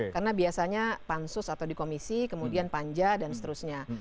karena biasanya pansus atau dikomisi kemudian panja dan seterusnya